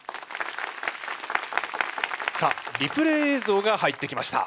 さあリプレー映像が入ってきました。